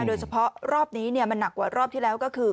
โดยเฉพาะรอบนี้เนี่ยมันหนักกว่ารอบที่แล้วก็คือ